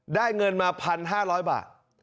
ได้เงินมา๑๕๐๐บาท